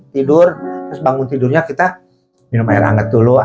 tidur terus bangun tidurnya kita minum air hangat dulu